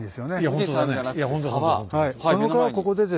富士山じゃなくて川。